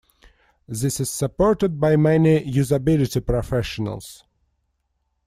This is supported by many usability professionals.